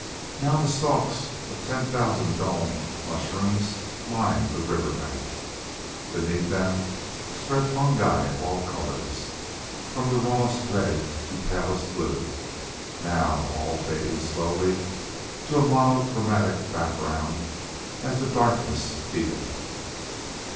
Now the stalks of ten thousand domed mushrooms lined the river bank. Beneath them spread fungi of all colors, from the rawest red to palest blue, now all fading slowly to a monochromatic background as the darkness deepened.